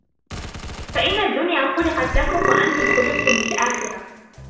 فَإِنَّ الدُّنْيَا خُلِقَتْ لَكُمْ وَأَنْتُمْ خُلِقْتُمْ لِلْآخِرَةِ